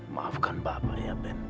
maafkan bapak ya ben